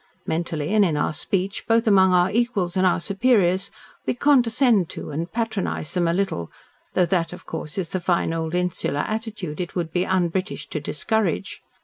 Mentally, and in our speech, both among our equals and our superiors, we condescend to and patronise them a little, though that, of course, is the fine old insular attitude it would be un British to discourage.